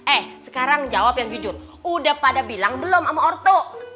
eh sekarang jawab yang jujur udah pada bilang belum sama orto